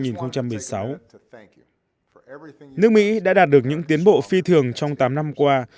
nước mỹ đã đạt được những tiến bộ phi thường trong tám năm qua